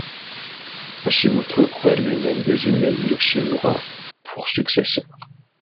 Hashimoto aurait lui-même désigné Yoshimura pour successeur.